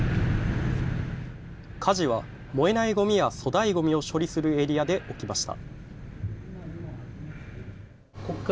火事は燃えないごみや粗大ごみを処理するエリアで起きました。